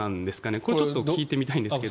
これ、ちょっと聞いてみたいんですけど。